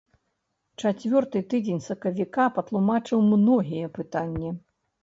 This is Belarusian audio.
Чацвёрты тыдзень сакавіка патлумачыў многія пытанні.